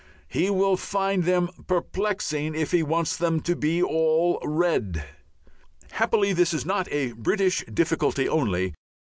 He will find them perplexing if he wants them to be "All Red." Happily this is not a British difficulty only.